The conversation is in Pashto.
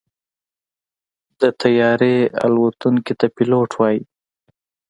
د طیارې الوتونکي ته پيلوټ وایي.